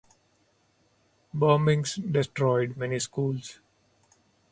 Bombings destroyed many schools.